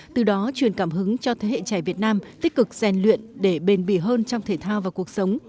từ đó truyền cảm hứng cho thế hệ trẻ việt nam tích cực rèn luyện để bền bỉ hơn trong thể thao và cuộc sống